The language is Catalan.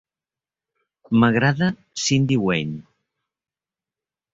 M'agrada Cyndi Wayne.